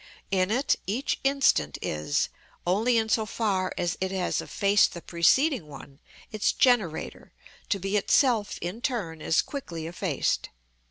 In it each instant is, only in so far as it has effaced the preceding one, its generator, to be itself in turn as quickly effaced.